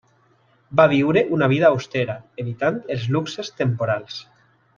Va viure una vida austera evitant els luxes temporals.